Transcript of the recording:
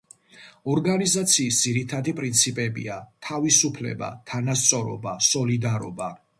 ორგანიზაციის ძირითადი პრინციპებია: თავისუფლება, თანასწორობა, სოლიდარობა.